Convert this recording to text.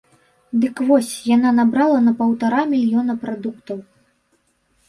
Дык вось яна набрала на паўтара мільёна прадуктаў.